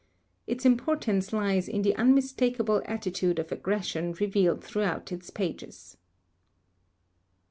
Its importance lies in the unmistakable attitude of aggression revealed throughout its pages.